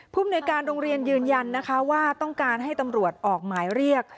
ภูมิในการโรงเรียนยืนยันนะคะว่าต้องการให้ตำรวจออกหมายเรียก